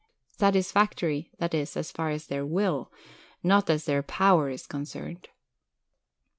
Satisfactory, that is, as far as their will, not as their power is concerned."